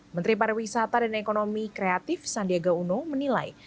menteri pariwisata dan ekonomi kreatif sandiaga uno menilai